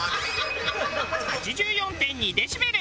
８４．２デシベル。